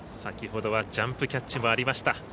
先ほどはジャンプキャッチもありました。